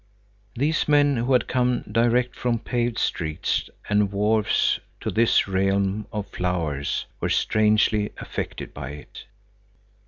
These men who had come direct from paved streets and wharves to this realm of flowers were strangely affected by it.